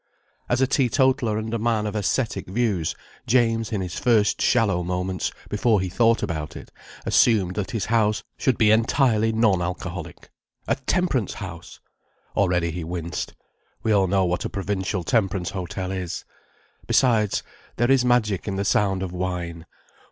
As a teetotaller and a man of ascetic views, James, in his first shallow moments, before he thought about it, assumed that his house should be entirely non alcoholic. A temperance house! Already he winced. We all know what a provincial Temperance Hotel is. Besides, there is magic in the sound of wine.